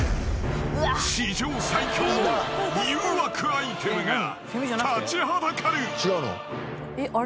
［史上最強の誘惑アイテムが立ちはだかる］